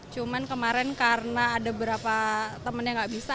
cuma kemarin karena ada beberapa teman yang tidak bisa